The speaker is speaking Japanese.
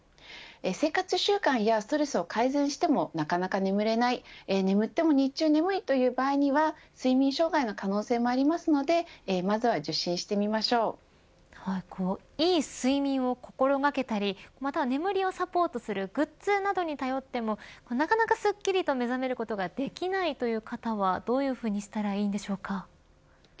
生活習慣やストレスを改善してもなかなか眠れない眠っても日中眠いという場合には睡眠障害の可能性もありますのでいい睡眠を心掛けたりまた眠りをサポートするグッズなどに頼ってもなかなか、すっきりと目覚めることができないという方はどうしたらいいのでしょうか。